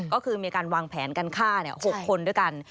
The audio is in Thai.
ก็คือมีการวางแผนการฆ่า๖คนด้วยกัน